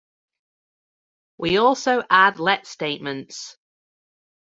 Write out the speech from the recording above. We also add let statements